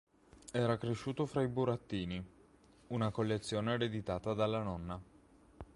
Era cresciuto fra i burattini; una collezione ereditata dalla nonna.